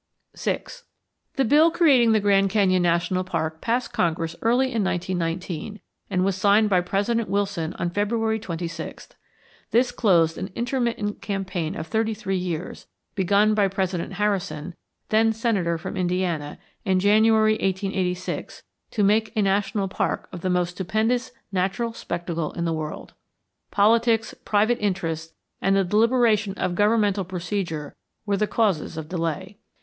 VI The bill creating the Grand Canyon National Park passed Congress early in 1919, and was signed by President Wilson on February 26. This closed an intermittent campaign of thirty three years, begun by President Harrison, then senator from Indiana, in January, 1886, to make a national park of the most stupendous natural spectacle in the world. Politics, private interests, and the deliberation of governmental procedure were the causes of delay.